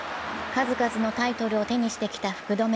数々のタイトルを手にしてきた福留。